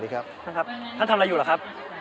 ท่านครับท่านทำอะไรอยู่เหรอครับ